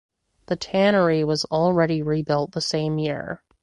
The tannery was already rebuilt the same year.